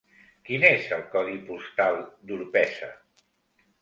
Quin és el codi postal d'Orpesa?